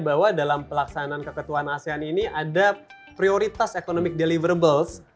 bahwa dalam pelaksanaan keketuaan asean ini ada prioritas ekonomi deliverables